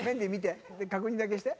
確認だけして。